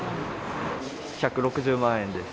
１６０万円です。